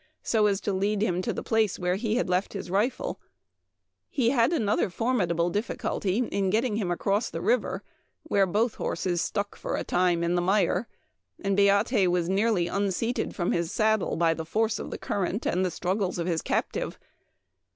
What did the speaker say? so as to lead him to the place where lie had left his rifle, " He had another formidable difficulty in get ting him across the river, where both horses stuek for a time in the mire, and Beatte was nearly unseated from his saddle by the force of the current and the struggles o\ his captive.